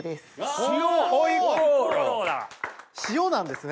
塩なんですね。